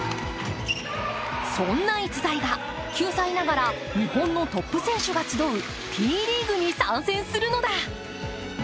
そんな逸材が９歳ながら日本のトップ選手が集うＴリーグに参戦するのだ。